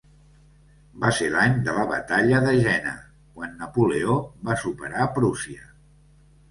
Va ser l'any de la batalla de Jena quan Napoleó va superar Prússia.